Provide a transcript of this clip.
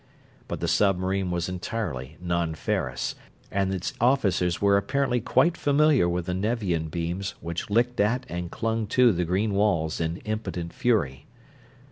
But the submarine was entirely non ferrous, and its officers were apparently quite familiar with the Nevian beams which licked at and clung to the green walls in impotent fury.